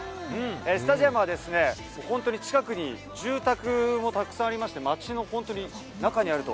スタジアムは、本当に近くに住宅もたくさんありまして、街の本当に中にあると。